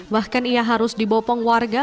bahkan ia harus dibopong warga